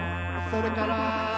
「それから」